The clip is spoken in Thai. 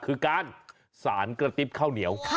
คือการสารกระติบข้าวเหนียว